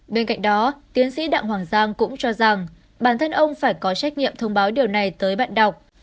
bên cạnh đó tiến sĩ đặng hoàng giang cũng cho rằng bản thân ông phải có trách nhiệm thông báo điều này tới bạn đọc